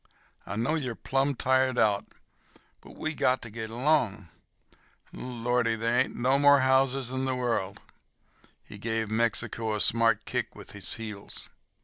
I know you're plumb tired out, but we got ter git along. Oh, Lordy, ain't there no mo' houses in the world!" He gave Mexico a smart kick with his heels.